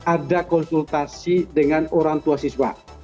ada konsultasi dengan orang tua siswa